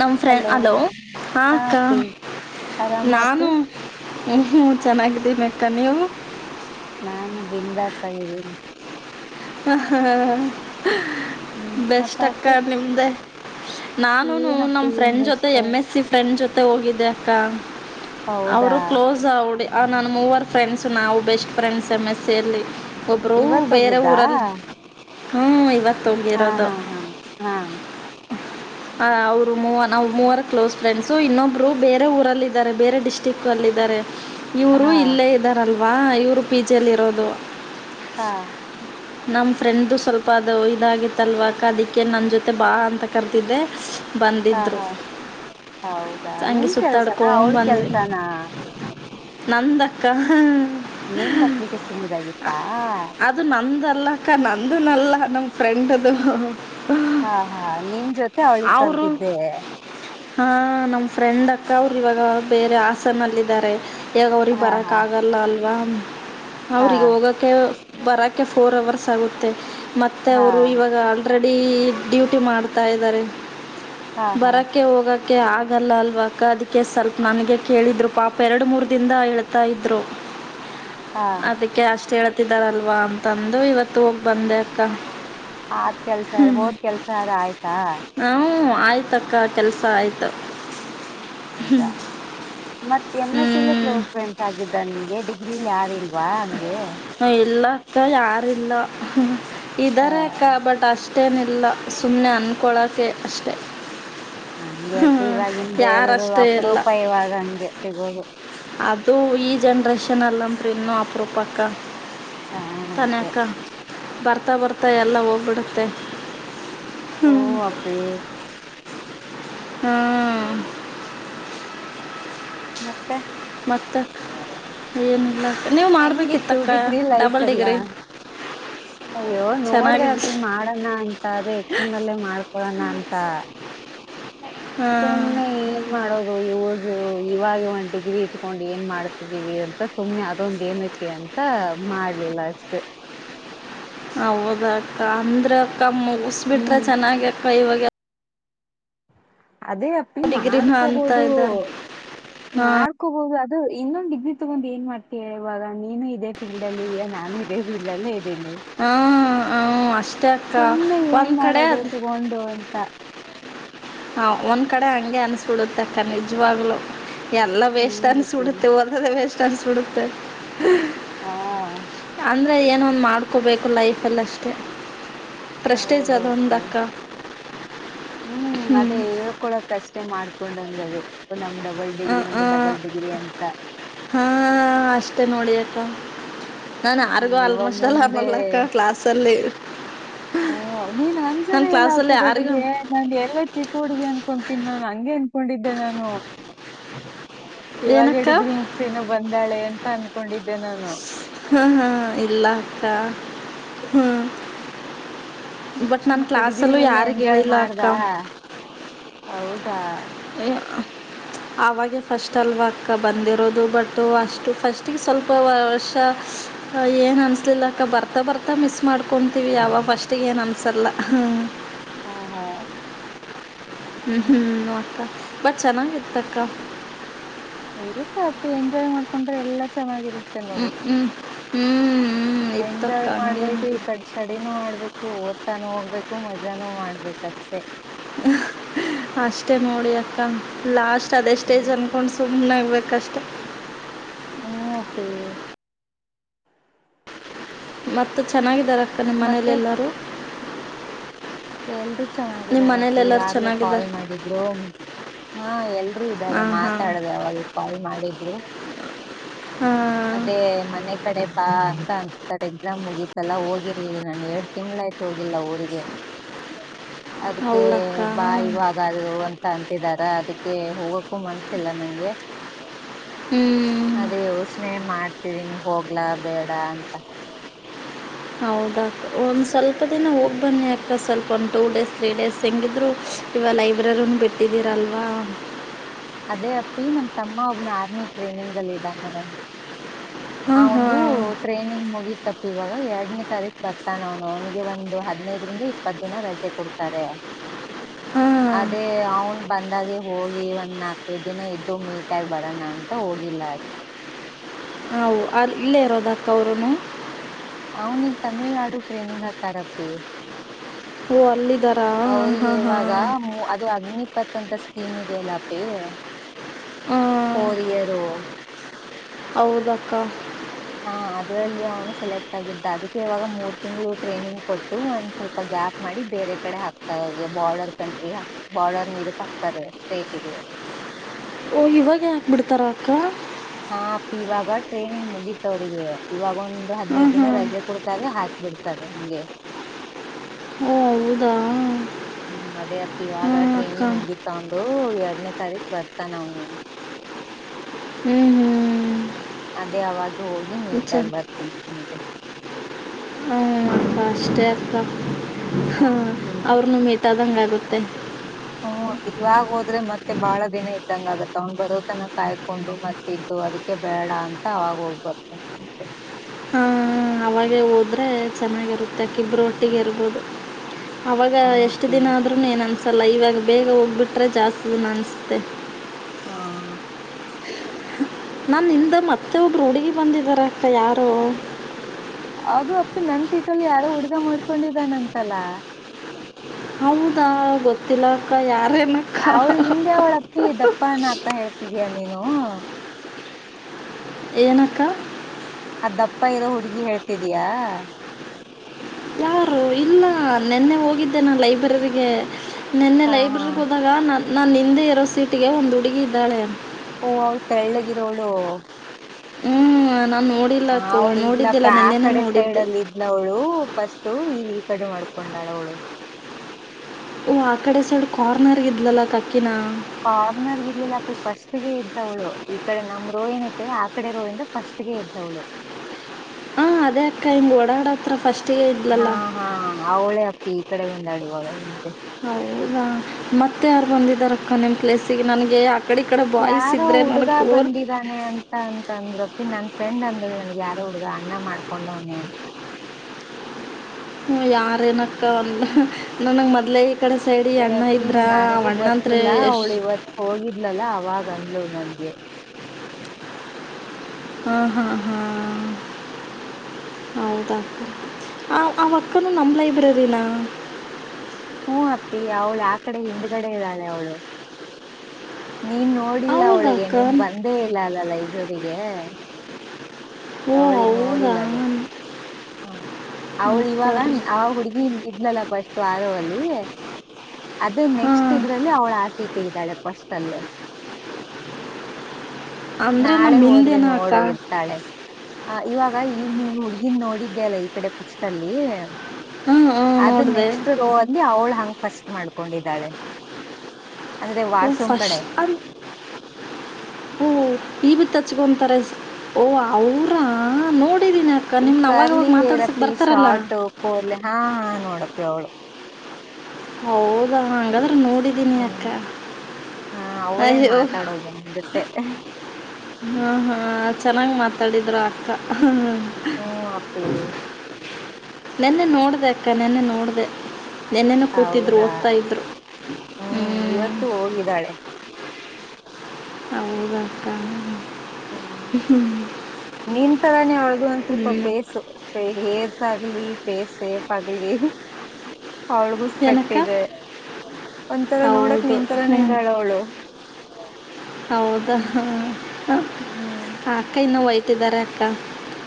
ನಮ ಫ್ರೆ hello hello ಹಾ ಅಕ್ಕಾ. ಆರಾಮ ಅಪ್ಪಿ ನಾನು ಹ್ಮ ಚೆನ್ನಾಗಿದಿವಿ ಅಕ್ಕ ನೀವು. ನಾನು ಬಿಂದಾಸ್ ಆಗಿದ್ದೀನಿ. ಹ ಹಾ ಹ್ಮ್ ಮತ್ತ ಬೆಸ್ಟ ಅಕ್ಕ ಅಪ್ಪಿ ನಿಮ್ದೆ. ನಾನು ನಮ್ ಏನಪ್ಪಿ ಏನ್ ಫ್ರೆಂಡ್ ಜೊತೆ best M S C friend ಜೊತೆ ಮತ್ತೆ ಹೋಗಿದ್ದೆ ಅಕ್ಕ ಹೌದಾ ಅವರು ಕ್ಲೋಸ್ ಆಡಿ ನ ಮೂವರ್ ಫ್ರೆಂಡ್ಸ್ ನಾವು ಬೆಸ್ಟ್ ಫ್ರೆಂಡ್ಸ್ ಎಮ ಎ ಸೇಲಿ ಒಬ್ಬರು ಬೇರೆ ಹಾ ಊರಲ್ಲಿ ಹ್ಮ ಈವತ್ತು ಹಾ ಹಾ ಹಾ ಹಾ ಅ ಅವರು ಮೂವ ನಾ್ ಮೂವರ ಕ್ಲೋಸ್ ಫ್ರೆಂಡ್ಸ್ ಇನ್ನೊಬ್ರು ಬೇರೆ ಊರಲ್ಲ ಇದಾರೆ ಬೇರೆ ಡಿಸ್ಟಿಕ್ ಅಲ್ಲಿದ್ದಾರೆ ಹಾ ಇವರು ಇಲ್ಲೇ ಇದ್ದಾರಲ್ವಾ ಇವರು ಪಿಜೆಲ್ಲಿ ಇರೋದು ಹಾ ನಮ್ ಫ್ರೆಂಡು ಸ್ವಲ್ಪ ಅದು ಇದಾಗಿತ್ತ ಅಲ್ವ ಕ ಅದಕ್ಕೆ ನನ್ ಜೊತೆ ಬಾ ಅಂತ ಕರ್ತಿದ್ದೆ ಹಾ ಬಂದಿದ್ದರು ಹಾ ಹೌದಾ ಹಂಗೆ ನಿಮ್ಮ ಕೆಲ್ಸನಾ ಅವಳ ಕೆಲ್ಸಾನ ನಂದ ಅಕ್ಕಾ ನಿಂದ ಅಪ್ಲಿಕೇಶನ್ ಇದಾಗಿತ್ತಾ ನಂದಲ್ಲಕ್ಕ ನಂದನಲ್ಲ ನಮ್ ಫ್ರೆಂಡು ಹಾ ಹಾ ನಿನ್ ಜೊತೆ ಅವಳಿ ಕರ್ದಿದ್ದೆ ಹಾ ನಮ್ ಫ್ರೆಂಡ್ ಅಕ್ಕ ಅವರು ಇವಾಗ ಬೇರೆ ಹಾಸನಲ್ಲಿದ್ದಾರೆ ಈಗ ಅವ್ರಿಗೆ ಹಾ ಹಾ ಬರೋಕ್ಕ ಆಗಲ್ಲ ಅಲ್ವಾ ಹಾ ಅವ್ರಿಗೆ ಹೋಗೋಕ್ಕೆ ಬರೋಕ್ಕ ಫೋರ್ ಅವರ್ಸ್ ಆಗುತ್ತೆ ಮತ್ತೆ ಹಾ ಅವರು ಇವಾಗ ಆ ರೆಡಿ ಡ್ಯೂಟಿ ಮಾಡ್ತಾ ಇದಾರೆ ಹಾ ಹಾ ಬರಕ್ಕೆ ಹೋಗ ಓಕೆ ಆಗೋಲ್ಲ ಅಲ್ವಕ್ಕ ಅದಕ್ಕೆ ಸ್ವಲ್ಪ ನನಗೆ ಕೇಳರು ಪಾಪ ಎರಡು ಮೂರು ದಿಂದ ಹೇಳ್ತಾ ಇದ್ರು ಹಾ ಅದಕ್ಕೆ ಅಷ್ಟ ಹೇಳ್ತಿದಾರಲ್ವಾ ಅಂತಂದು ಇವತ್ತು ಹೋಗಿ ಬಂದೆ ಅಕ್ಕ ಆದ ಕೆಲ್ಸ ಹೋದ್ ಕೆಲ್ಸಾರ ಆಯ್ತಾ ಹ್ಞೂ ಆಯ್ತಕ್ಕ ಕೆಲಸ ಆಯ್ತು ಹೌದಾ ಮತ್ತೆ ಎಮ ಎಸ್ಲೆ ಕ್ಲೋಸ್ ಹ್ಞೂ ಫ್ರೆಂಡ್ಸ್ ಆಗಿದ್ದ ನಿನ್ಗೆ ಡಿಗ್ರಿ [unintelligible] ಯಾರ ಇಲ್ಲ [unintelligible] ಇಲ್ಲ ಅಕ್ಕ ಯಾರಲ್ಲ ಆ ಇದಾರೆ ಅಕ್ಕ ಬಟ್ ಅಷ್ಟ ಮತ್ತೇನಿಲ್ಲ ಸುಮ್ಮನೆ ಅನಿಕೊಳಕ್ಕೆ ಅಷ್ಟೆ ಹಂಗೆ ಅಪ್ಪಿ ಇವಾಗಿನ ಬೇಲ್ರು ಯಾರಷ್ಟೇ ಅಪ ಇಲ್ಲ ರೂಪಾಯ ಇವಾಗ ಹಂಗೆ ಸಿಗೋುದು ಅದು ಈ ಜನ್ರೇಷನ್ ಅಲ್ಲತ್ರಿ ಇನ್ನುೂ ಅಪರೂಪಕ್ಕ ಹಾ ಅದೇ ತಾನಕ್ಕ ಬರ್ತಾ ಬರ್ತಾ ಎಲ್ಲ ಹೋಗ್ಬಿಡುತ್ತೆ ಹು ಅಪಿ ಹ್ಮ್ [inaudible] ಮತ್ತೆ ಮತ್ತ ಏನಿಲ್ಲ ನೀವು ಹೆಂಗಿತ್ತು ಮಾಡಬೇಕಿತ್ತಕ್ಕ ಡಿಗ್ರಿ ಲೈಫ್ ಡಬಲ್ ಎಲ್ಲ ಡಿಗ್ರಿ ಅಯ್ಯೋ ನೋಡ್ದ ಚೆನ್ನಾಗಿದ್ದು ಅಪ್ಪಿ ಮಾಡೋಣ ಅಂತ ಅದೇ ಎಕ್ಕ್ಷನ್ಲ್ಲೇ ಮಾಡ್ಕೊಳೋಣ ಅಂತ ಹಾಂ ಸುಮ್ಮ್ನೆ ಏನ್ ಮಾಡೋದು ಇ ಇವಾಗ ಒಂದ್ ಡಿಗ್ರಿ ಇಟ್ಕೊಂಡ್ ಏನ್ ಮಾಡ್ತಿದ್ದೀವಿ ಅಂತ ಸುಮ್ನೆ ಅದೊಂದ ಏನಕ್ಕೆ ಅಂತ ಮಾಡ್ಲಿಲ್ಲ ಅಷ್ಟೇ ಹೌದಕ್ಕ ಅಂದ್ರ ಅಕ್ಕ ಮುಗಸ್ಬಿಟ್ರ ಹ್ಮ್ ಚೆನ್ನಾಗ ಅಕ್ಕ ಇವಾಗ ಅದೇ ಅಪ್ಪಿ ಡಿಗ್ರಿನ ಅಂತ ಮಾಡ್ಕೋಬೋದು ಇದ್ದಾರೆ ಹಾಂ ಮಾಡ್ಕೋಬಹುದು ಇದು ಇನ್ನೊಂದು ಡಿಗ್ರಿ ತಗೊಂಡ್ ಏನ್ ಮಾಡ್ತೀಯ ಇವಾಗ ನೀನು ಇದೇ ಫೀಲ್ಡ್ ಅಲ್ಲಿ ಇದಾ ನಾನು ಇದೇ ಫೀಲ್ಡ್ ಅಲ್ಲೇ ತ್ತೇನೆ ಹಾಂ ಹಾಂ ಅಷ್ಟೇ ಅಕ್ಕ ಸುಮ್ನೆ ಏನ್ ಒಂದು ಕಡೆ ಮಾಡೋದು ಅದು ತಗೊಂಡು ಅಂತ ಹಾ ಒಂದ್ ಕಡೆ ಹಂಗೆ ಅನ್ಸ್ಬಿಡುತ್ತೆ ನಿಜವಾಗ್ಲು ಎಲ್ಲ ಹ್ಮ್ ವೆಸ್ಟ್ ಗೊತ್ತಿಲ್ಲ. ಅನ್ಸ್ಬಿಡುತ್ತೆ ಓದದ ವೇಸ್ಟ್ ಅನ್ಸ್ಬಿಡುತ್ತೆ [inaudible] ಹಾ ಅಂದ್ರೆ ಏನೊಂದು ಮಾಡ್ಕೋಬೇಕು ಲೈಫಲ್ಲಿಷ್ಟೇ ಪ್ರೆಸ್ಟೀಜ್ ಹೌದು ಒಂದ ಹೋಗ್ತೀವಿ ಅಕ್ಕ ಹ್ಮ್ ಅದೇ ಹೇಳ್ಕೊಳಕ್ ಅಷ್ಟೇ ಮಾಡ್ಕೊಂಡಂಗ ಅದು ನಮ್ ಡಬಲ್ ಹ ಡಿಗ್ರಿ ನಮ್ ಹ್ಮ ಡಬಲ್ ಡಿಗ್ರಿ ಅಂತ ಹಾ ಅಷ್ಟೆ ನೋಡಿ ಅಕ್ಕ ನಾನ್ ಯಾರಿಗೂ ಹ್ಮ್, ಇವಾಗ ಆಲ್ಮೋಸ್ಟ್ ಎಲ್ಲ ನಾರ್ಮಲ್ಲಕ್ಕ ಕ್ಲಾಸ್ ಅಲ್ಲಿ ಓ ನೀನ್ ಅನ್ಸದೇ ಇಲ್ಲ ಅಪ್ಪಿ ಯಾರಿಗೂ ನನಗೆ ನಾನ ಎಲ್ಲ ಚಿಕ್ಕ ಹುಡುಗಿ ಅನ್ಕೊಂತೀನಿ ನಾನು ಹಂಗೆನ್ ಅನ್ಕೊಂಡಿದ್ದೆ ನಾನು ಇವಾಗ ಏನಕ್ಕ ಡಿಗ್ರಿ ಮುಗಿಸಿಕೊಂಡು ಬಂದಾಳೆ ಅಂತ ಅನ್ಕೊಂಡಿದ್ದೆ ನಾನು ಹ್ಮ ಹ್ಮ್ ಇಲ್ಲ ಅಕ್ಕ ಹ್ಮ್ ಬಟ್ ನನ್ ಮತ್ತೆ ಕ್ಲಾಸ್ಲ ಅಲ್ಲು ಡಿಗ್ರಿಲೆಲ್ಲ ಯಾರಿಗ ಎಂಜಾಯ್ ಹೇಳಿಲ್ಲ ಅಕ್ಕ ಮಾಡ್ದಾ? ಹೌದಾ [unintelligible] [unintelligible] ಆವಾಗೇ ಫಸ್ಟ್ ಅಲ್ವ ಅಕ್ಕ ಬಂದಿರೋದು ಬಟ್ ಅಷ್ಟು ಫಸ್ಟಿಗೆ ಸ್ವಲ್ಪ ವರ್ಷ ಏನ್ ಅನ್ಸ್ಲಿಲ್ಲ ಅಕ್ಕ ಬರ್ತಾ ಬರ್ತಾ ಮಿಸ್ ಮಾಡ್ಕೊತೀವಿ ಯಾವ ಫಸ್ಟಗ ಏನ್ ಅನ್ಸಲ್ಲ ಹ ಹ ಹಾ ಹ್ಮ್ ಹ್ಮ್ ಕ್ಕ ಬಟ್ ಚೆನ್ನಾಗಿ ಇತ್ತಕ್ಕ ಇರುತ್ತ ಅಪ್ಪ ಎಂಜಾಯ್ ಮಾಡ್ಕೊಂಡ್ರೆ ಎಲ್ಲಾ ಚೆನ್ನಾಗಿರುತ್ತೆ ನೋಡು ಹ್ಮ್ ಹ್ಮ್ ಹ್ಮ್ ಎಂಜಾಯ್ ಮಾಡ್ಬೇಕು ಈ ಕಡೆ ಸಡಿನೂ ಮಾಡ್ಬೇಕು ಓದ್ತಾನು ಹೋಗ್ಬೇಕು ಮಜಾನೂ ಮಾಡ್ಬೇಕಷ್ಟೇ ಅಷ್ಟೇ ನೋಡಿ ಅಕ್ಕ ಲಾಸ್ಟ್ ಅದೇ ಹ್ಮ್ ಸ್ಟೇಜ್ ಅನ್ಕೊಂಡ್ ಸು ಹನ್ನಾಗಬೇಕೇ ಕಷ್ಟ ಹ್ಮ ಅಪ್ಪಿ ಮತ್ತ ಚೆನ್ನಾಗಿದ್ದಾರೆ ಅಕ್ಕ ನಿಮ್ಮ್ ಮನೇಲಿ ಎಲ್ಲಾರು ಎಲ್ರು ನಿಮ್ಮ ಮನೇಲಿ ಚೆನ್ನಾಗಿದಾರಪ್ಪಿ ಎಲ್ಲರೂ ಇವಾಗ್ಲೇ ಕಾಲ್ ಚೆನ್ನಾಗಿದ್ದಾರೆ ಮಾಡಿದ್ರು ಹಾ ಎಲ್ರೂ ಇದ್ದಾರೆ ಹಾಂ ಹಾಂ ಮಾತಾಡದೆ ಅವಾಗ ಕಾಲ್ ಮಾಡಿದ್ರು ಹಾಂ ಅದೇ ಮನೆ ಕಡೆ ಬಾ ಅರೆ ಎಕ್ಸಾಮ್ ಮುಗೀಿತಲ್ಲಾ ಹೋಗಿರ್ಲಿಲ್ಲ ನಾನನ್ ಎರಡ್ ತಿಂಗ್ಳಾಯಯ್ತು ಹೋಗಿಲ್ಲ ಊರಿಗೆ ಅದಕ್ಕೆ ಹೌದಕ್ಕ ಬಾಯವಾಗ ಅದು ಅಂತ ಅಂತಿದಾರ ಅದಕ್ಕೆ ಹೋಗಕ್ ಮನ್ಸಿಲ್ಲ ನಂಗೆ ಹ್ಞೂ ಅದೇ ಯೋಚನೆ ಮಾಡ ಹೋಗ್ಲಾ ಬೇಡ ಅಂತ ಹೌದಾ ಒಂದ್ ಸ್ವಲ್ಪ ದಿನ ಹೋಗಿ ಬನ್ನಿ ಅಕ್ಕ ಸ್ವಲ್ಪ ಒಂದು ಟೂ ಡೇಸ್ ತ್ರೀ ಡೇಸ್ ಹೆಂಗಿದ್ರು ಇವ ಲೈಬ್ರರಿನ್ ಬಿಟ್ಟಿದ್ದೀರಲ್ವಾ ಅದೇ ಅಪ್ಪಿ ನಮ್ ತಮ್ಮ ಒಬ್ನ ಆರ್ಮಿ ಟ್ರೈನಿಂಗ್ ಅಲ್ಲಿ ಇದಾರೆ ಆ ಹಾಂ ಒಂದು ಹಾಂ ಟ್ರೈನಿಂಗ್ ಮುಗಿತಪ್ಪಿ ಇವಾಗ ಎರಡನೇ ತಾರೀಕ್ ಬರ್ತಾನ ಅವನು ಅವನಿಗೆ ಒಂದು ಹದ್ನೈದರಿಂದ ಇಪ್ಪತ್ ದಿನ ರಜೆ ಕೊಡ್ತಾರೆ ಹಾಂ ಅದೇ ಅವನು ಬಂದಾಗೆ ಹೋಗಿ ಒಂದ್ ನಾಲ್ಕೈದು ದಿನ ಇದ್ದು ಮೀಟ್ ಆಗಿ ಬರೋಣ ಅಂತ ಹೋಗಿಲ್ಲ ಅಷ್ಟೇ [inaudible] ಹೌ ಅಲ್ಲಿ ಇಲ್ಲೇ ಇರೋದ ಅಕ್ಕ ಅವರುನು ಅವನಿಗೆ ತಮಿಳ್ನಾಡು ಟ್ರೈನಿಂಗ್ ಅಂತಾರೆ ಅಪ್ಪಿ ಓ ಅಲ್ಲಿದ್ದಾರಾ ಅವ್ರಿಗೆ ಹಾಂ ಹಾಂ ಇವಾಗ ಅದು ಅಗ್ನಿಪತ್ ಅಂತ ಮದೆ ಎಲ್ಲ ಪಿ ಹಾಂ ಹೋರಿಯಾರ ಹೌದಕ್ಕ ಹಾ ಅದ್ರಲ್ಲಿ ಅವನು ಸೆಲೆಕ್ಟ್ ಆಗಿದ್ದ ಅದಕ್ಕೆ ಇವಾಗ ಮೂರ್ ತಿಂಗಳು ಟ್ರೈನಿಂಗ್ ಕೊಟ್ಟು ಒಂದ್ ಸ್ವಲ್ಪ ಗೇಪ್ ಮಾಡಿ ಬೇರೆ ಕಡೆ ಹಾಕ್ತಾರ ಬಾರ್ಡರ್ ಕಂಟ್ರಿಾಕ್ ಬಾರ್ಡರ್ ಇದಕ್ ಹಾಕ್ತಾರೆ ಸ್ಟೇಟ್ಗೆ ಹಾ ಓ ಇವಾಗ ಹಾಕ್ ಬಿಡ್ತಾರ ಅಕ್ಕ ಹಾ ಅಪ್ಪಿ ಇವಾಗ ಟ್ರೈನಿಂಗ್ ಮುಗಿತ್ತ ಅವ್ರಿಗೆ ಇವಾಗೊಂದು ಒಂದು ಹ್ಞೂ ಹದ್ನೈದು ಹ್ಞೂ ದಿನ ರಜೆ ಕೊಡ್ತಾರೆ ಹಾಕ್ಬಿಡ್ತಾರೆ ಹಂಗೆ ಹಓ ಹೌದಾ ಹ್ಮ್ ಅದೇ ಅಪ್ಪಿ ಹ್ಞೂ ಇವಾಗ ಅಕ್ಕ ಟ್ರೈನಿಂಗ್ ಮುಗೀತ್ತ ಒಂದು ಎರಡನೇ ಸರಿಕ್ ಬರ್ತ ನಾ ಹ್ಮ್ ಹ್ಮ್ ಅದೇ ಅವಾಗ ಹೋಗಿ ನೀಟ್ಗ ಬರ್ತೀನಿ ನಮಗೆ ಹ್ಮ ಅಷ್ಟೇ ಅಕ್ಕ ಹಾ ಹ ಅಪ್ಪಿ ಅವ್ರನು ಮೀಟದಂಗ ಮತ್ತೆ [unintelligible] ಇವಾಗ ಹೋದ್ರೆ ಮತ್ತೆ ಬಹಳ ದಿನ ಇದ್ದಂಗ ಆಗತ್ ಅವ್ನ ಬರೋತನ ಕಾಯ್ಕೊಂಡು ಮತ್ತ ಇದ್ದು ಅದಕ್ಕೆ ಬೇಡ ಅಂತ ಅವಾಗ ಹೋಗ್ಬಷ್ಟ ಹಾ ಅವಾಗೆ ಹೋದ್ರೆ ಚೆನ್ನಾಗಿರುತ್ತೆ ಕಿಬ್ರು ಒಟ್ಟಿಗೆ ಇರ್ಬೋದು ಆವಾಗ ಹಾ ಎಷ್ಟು ಅಪ್ಪಿ ದಿನ ಆದರು ಏನು ಅನಿಸಲ್ಲ ಇವಾಗ ಬೇಗ ಹೋಗ್ಬಿಟ್ರೆ ಜಾಸ್ತಿ ದಿನ ಅನಿಸುತ್ತೆ ಹಾ ನನ್ನಿಂದ ಮತ್ತೆ ಒಬ್ರು ಹುಡುಗಿ ಬಂದಿದಾರ ಅಕ್ಕ ಯಾರು ಅದು ಅಪ್ಪಿ ನನ್ ಸೀಟಲ್ಲಿ ಯಾರೋ ಹುಡ್ಗ ಮಾಡ್ಕೊಂಡಿದ್ದಾನಂತಲ್ಲ ಹೌದಾ ಗೊತ್ತಿಲ್ಲ ಅಕ್ಕ ಯಾರ ಅವ್ಳು ಹಿಂದೆ ಅವಳ ಅಪ್ಪಿ ದಪ್ಪ ಅಕ್ಕ ಹೇಳ್ತಿದಯ ನೀನು ಏನ್ ಅಕ್ಕ ಅ ದಪ್ಪ ಇರೋ ಹುಡುಗಿ ಹೇಳ್ತಿದಯಾ ಯಾರು ಇಲ್ಲ ನಿನ್ನೆ ಹೋಗಿದ್ದೆ ನಾ ಲೈಬ್ರೆರಿಗೆ ನಿನ್ನೆ ಹಾ ಹಾ ಲೈಬ್ರರಿಗೆ ಹೋದಾಗ ನಾನ ನಾನ್ ನಿಂದೆ ಇರೋ ಸೀಟಿಗೆ ಒಂದು ಹುಡುಗಿ ಇದ್ದಾಳೆ ಓ ಅವ್ಳು ತೆಳ್ಳಗಿರೊ ಅವಳು ಹ್ಮ್ ನನ್ನ ಹ ಅವಳು ಇಲ್ಲಪ್ಪ ಆ ಕಡೆ ಸೈಡ್ ನೋಡಿದ್ದೆ ಅಲ್ಲಿ ಇದ್ನವಳು ಫಸ್ಟ್ ಈ ಈ ಕಡೆ ಮಾಡ್ಕೊಂಡಾಳ ಅವಳು ಓ ಆ ಕಡೆ ಸಡ್ ಕಾರ್ನರ್ ಇದ್ಲಲ್ಲ ಕಕ್ಕಿನ ಕಾರ್ನರ್ ಇರ್ಲಿಲ್ಲಪ ಫಸ್ಟ್ ಗೆ ಇದ್ದ ಅವಳು ಈ ಕಡೆ ನಮ್ ರೋ ಏನೈತೆೇವ ಆ ಕಡೆ ರೋ ಇಂದ್ರ ಫಸ್ಟ್ ಗೆ ಇದ್ದವಳು ಹ ಅದೇ ಅಕ್ಕ ಹಿಂಗ ಓಡಾಡ ಹತ್ರ ಫಸ್ಟ್ ಹಾ ಹಾ ಅವಳೆ ಅಪ್ಪಿ ಈ ಕಡೆ ಹೊಂದಾಡಿ ಇವಾಗ ಹೌದಾ ಮತ್ತೆ ಯಾರು ಬಂದಿದಾರ ಅಕ್ಕ ನಿಮ್ಮ ಪ್ಲೇಸಿಗೆ ನನ್ಗೆ ಯಾರೋ ಹುಡುಗ ಬಂದಿದಾನೆ ಅಂತ ಅಂತ ಅಂದ್ರಪ್ಪ ನನ್ ಫ್ರೆಂಡ್ ಅಂದಳು ನನ್ಗೆ ಯಾರೋ ಹುಡುಗ ಅಣ್ಣ ಮಾಡ್ಕೊಂಡ್ವನಿ ಅಂತ ಹ್ಮ ಯಾರೇನಕ್ಕ ಅಂದ ನನಂಗ ಮಾಡ್ಲೆ ಅದೇ ಅಪ್ಪಿ ನನಗೂ ಅಂದ್ರೆ ಗೊತ್ತಿಲ್ಲ ಅವ್ಳು ಎಷ್ಟು ಇವತ್ ಹೋಗಿದ್ಲಲ್ಲ ಅವಾಗ [unintelligible] ನನಗೆ ಹಾ ಹಾ ಹಾ ಹೌದಾ ಅವಕ್ಕನು ನಮ ಲೈಬ್ರರಿನ ಹ್ಮ ಅಪ್ಪಿ ಅವಳು ಆ ಕಡೆ ಹಿಂದ್ಗಡೆ ಇದ್ದಾಳೆ ಅವಳು ನೀನ್ ನೋಡಿಲ್ಲ ಹೌದಾ ಅವಳಿಗೆ ಅಕ್ಕ ನೀನ್ ಬಂದೇ ಇಲ್ಲ ಅಲ್ಲ ಲೈಜೋರಿಗೆ ಓ ಅವಳಿಗೆ ಹೌದಾ ನೋಡಿಲ್ಲ ನೀನು ಹ ಅವ್ಳು ಇವಾಗ ಸರಿ ಅವ ಹುಡ್ಗಿ ಇದ್ಲಲ್ಲ ಫಸ್ಟ್ ಆರೋಲ್ಲಿ ಅದು ನೆಕ್ಸ್ಟ್ ಹಾಂ ಇದ್ರಲ್ಲಿ ಅವ್ಳ ಆ ಸೀತಿ ಇದ್ದಾಳೆಪ್ಪ ಫಸ್ಟ್ ಅಲ್ಲಿ ಅಂದರೆ ನಾಳೆ ನಮ್ಮ ಹೋದ್ರಿ ಹಿಂದೆನಾ ಅಕ್ಕ ನೋಡು ಇರ್ಥಳೆ ಹ ಇವಾಗ ಈ ನೀ ಹುಡ್ಗಿನ್ ನೋಡಿದ್ದೆ ಅಲ್ಲ ಪುಸ್ಟ್ ಅಲ್ಲಿ ಹಾಂ ಹಾಂ ಅದು ನೋಡಿದೆ ನೆಕ್ಸ್ಟ್ ರೋ ಅಲ್ಲಿ ಅವಳು ಹಂಗ ಫಸ್ಟ್ ಮಾಡ್ಕೊಂಡಿದ್ದಾಳೆ ಅಂದ್ರೆ ಹ್ಮ ವಾಶ್ರೂಮ್ ಫಸ್ ಕಡೆ ಅ ಹ್ಮ ಈ ಬಿತ್ತ [unintelligible] ಓ ಅವ್ರ ನೋ ಈ ಕರ್ಲಿ ಏರಪ್ಪಿ ಬರ್ತಾರಲ್ಲ ಶಾರ್ಟು ಕೋರ್ಲೆ ಹಾ ನೋಡಪಿ ಅವಳು ಹೌದ ಹಂಗ ಹ್ಮ ಹಾ ಅವಳೇ ಅಯ್ಯೋ ಮಾತಾಡೋದು ನನ್ನ ಜೊತೆ ಹಾ ಹಾ ಚೆನ್ನಾಗ್ ಮಾತಾಡಿದ್ರು ಅಕ್ಕ ಹ ಹ್ಮ ಅಪ್ಪಿ ನೆನ್ನೆ ನೋಡ್ದ ಅಕ್ಕ ನೆನ್ನೆ ನೋಡ್ದ ನಿನ್ನೆನು. ಕೂತಿದ್ರು ಹೌದಾ ಓದ್ತಾ ಇದ್ರು ಹ್ಮ್. ಇವತ್ತು ಹೋಗಿದ್ದಾಳೆ ಹೌದಕ್ಕಾ ಹ್ಮ್ ಹ್ಮ್. ನಿನ್ ತರಾನೇ ಅವ್ಳ್ದ ಒಂದ್ ತರ ಸ್ವಲ್ಪ ಪೇಸು ಏರ್ಸ್ ಆಗ್ಲಿ. ಪೇಸ್ ಸೇಫ್ ಪಗ್ಲಿ. ಅವ್ಳ್ಗು ಸ್ಪೆಕ್ಟ್ ಏನಕ್ಕ ಇದೆ ಒಂದ್ ತರ ನೋಡಕ್ ಹೌದು ನಿನ್ ತರಾನೇ ಹ್ಮ್ ಇದಾಳ್ ಅವ್ಳು. ಹೌದಾ ಹ ಹ್ಮ್ ಅಕ್ಕ ಇನ್ನೂ ವೈಟಿದರೆ ಅಕ್ಕ.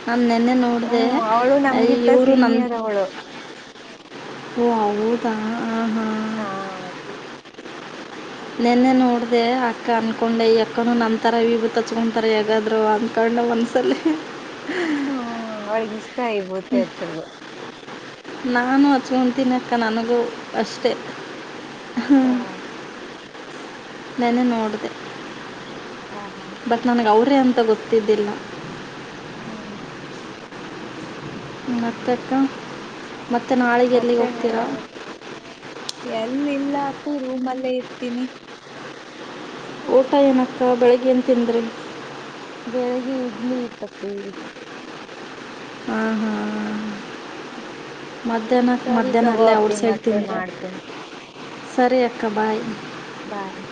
ನಾನ್ ನೆನ್ನೆ ನೋಡ್ದೆ ಹ್ಮ್ ಅವಳು ನಮ್ಗಿಂತ ಇವ್ರು ನಮ್. ಸೀನಿಯರ್ ಅವಳು ಓ ಹೌದ ಹ ಹಾ. ಹಾ ನೆನ್ನೆ ನೋಡ್ದೆ ಅಕ್ಕ ಅನ್ಕೊಂಡೆ ಈ ಅಕ್ಕ ನಮ್ ತರ ವಿಬುತಿ ತಚ್ಕೊಂತಾರೆ ಯಗಾದ್ರು ಅಂತ ನ್ಣ ಮನ್ಸಲಿ. ಹ ಅವ್ಳಿಗ್ ಇಷ್ಟ ಇಬುತಿ ಅಚ್ಚದು. ನಾನು ಹಚ್ಕೊತಿನಕ್ಕ ನನಗೂ ಅಷ್ಟೆ. ಆ, ಹ್ಮ್ ನನ್ನೆ ನೋಡ್ದ ಆ, ಆ. ಬಟ್ ನನಿಗ್ ಅವ್ ರೆ ಅಂತ ಗೊತ್ತಿದ್ದಿಲ್ಲ. ಹ್ಮ್ ಮತ್ತೆಕ್ಕ ಮತ್ತೆನ್ ಹೇಳ್ಬೇಕು ಎಲ್ಲಿಲ್ಲ. ರೂಮಲ್ಲೆ ಇರ್ತೀನಿ. ಊಟ ಏನಕ್ಕ ಬೆಳಿಗ್ಗೆ ಏನ್ ತಿಂದ್ರಿ. ಬೆಳಿಗ್ಗೆ ಇಡ್ಲಿ ಇತ್ತಪ್ಪಿ. ಹ್ಮ ಹಾ ಮಧ್ಯಾಹ್ನಕ್ ಸರಿ ಮಧ್ಯಾಹ್ನ ತಗೋ ಅಲ್ಲೇ ಅಪ್ಪಿ ಔಟ್ ಸೈಡ್ ಮತ್ತೆ ತಿಂದೆ. ಮಾಡ್ತೀನಿ ಸರಿ ಅಕ್ಕ ಬಾಯ್ ಬಾಯ್